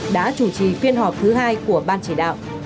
đã chủ trì phiên họp thứ hai của ban chỉ đạo